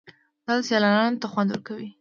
دا سیلانیانو ته خوند ورکوي.